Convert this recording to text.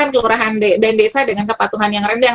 kelurahan dan desa dengan kepatuhan yang rendah